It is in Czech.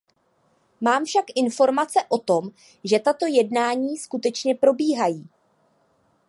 Mám však informace o tom, že tato jednání skutečně probíhají.